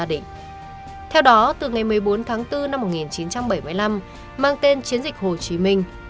để đánh là sài gòn